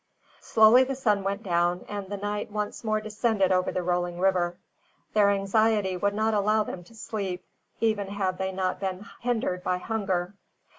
Slowly the sun went down and the night once more descended over the rolling river. Their anxiety would not allow them to sleep, even had they not been hindered by hunger.